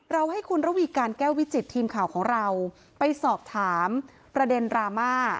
ให้คุณระวีการแก้ววิจิตทีมข่าวของเราไปสอบถามประเด็นดราม่า